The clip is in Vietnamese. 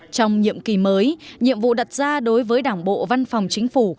trong nhiệm kỳ mới nhiệm vụ đặt ra đối với đảng bộ văn phòng chính phủ